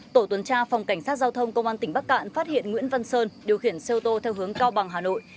tổ tuần tra phòng cảnh sát giao thông công an tỉnh bắc cạn phát hiện nguyễn văn sơn điều khiển xe ô tô theo hướng cao bằng hà nội